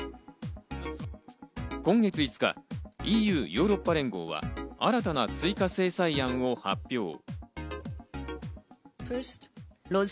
今月５日、ＥＵ＝ヨーロッパ連合は新たな追加制裁案を発表。